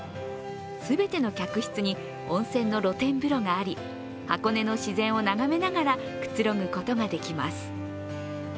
全ての客室に温泉の露天風呂があり箱根の自然を眺めながら、くつろぐことができます。